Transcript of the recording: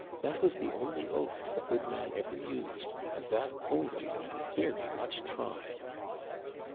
That was the only oath the good man ever used, and that only when very much tried."